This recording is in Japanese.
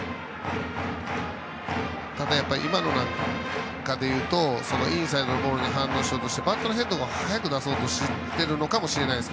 ただ今ので言うとインサイドのボールに反応したとしてバットのヘッドを速く返そうとしてるのかもしれないです。